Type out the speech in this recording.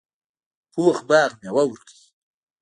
پوخ باغ میوه ورکوي